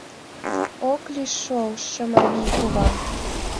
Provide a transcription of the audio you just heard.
— Ок лий шол, Шымавий кува!